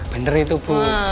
bener itu bu